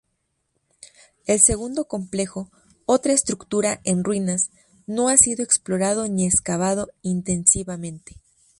El segundo complejo, otra estructura en ruinas, no ha sido explorado ni excavado intensivamente.